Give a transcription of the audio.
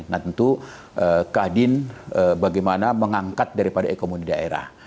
nah tentu kadin bagaimana mengangkat daripada ekonomi daerah